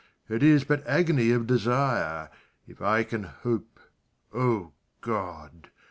It is but agony of desire: If I can hope Oh God!